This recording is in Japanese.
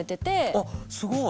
あすごい！